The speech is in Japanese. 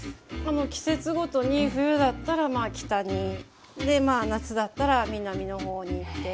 季節ごとに冬だったら北に夏だったら南の方に行って。